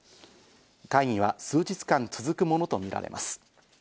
会議は数日間続くものとみられます。